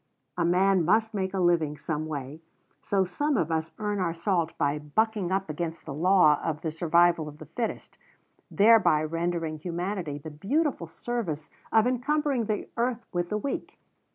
A man must make a living some way, so some of us earn our salt by bucking up against the law of the survival of the fittest, thereby rendering humanity the beautiful service of encumbering the earth with the weak.